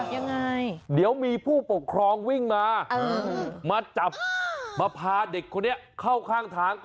ยังไงเดี๋ยวมีผู้ปกครองวิ่งมามาจับมาพาเด็กคนนี้เข้าข้างทาง